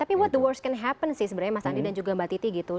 tapi what the worst can happen sih sebenarnya mas andi dan juga mbak titi gitu